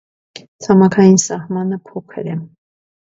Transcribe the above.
Ցամաքային սահմանը փոքր է։